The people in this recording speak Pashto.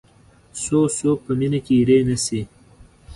څو څوک په مینه کې اېرې نه شي.